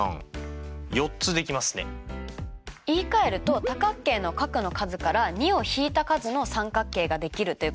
言いかえると多角形の角の数から２を引いた数の三角形ができるということですよね。